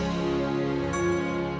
iya semoga sukses ya